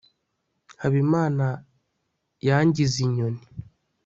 habimana yangize inyoni